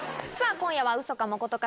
今夜はウソかマコトか？